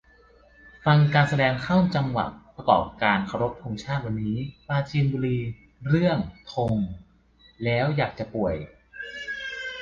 ฟังการแสดงเข้าจังหวะประกอบการเคารพธงชาติวันนี้ ปราจีนบุรี เรื่อง "ธง" แล้วอยากจะป่วย